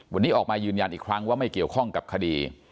วันนี้ออกมายืนยันอีกครั้งว่าไม่เกี่ยวข้องกับคดี